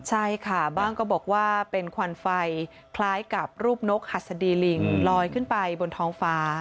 ใช่ค่ะบ้างก็บอกว่าเป็นควันไฟคล้ายกับรูปนกหัสดีลิงลอยขึ้นไปบนท้องฟ้า